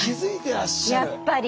やっぱり。